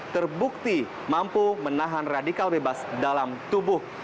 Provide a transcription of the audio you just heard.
terbukti mampu menahan radikal bebas dalam tubuh